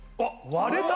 割れた！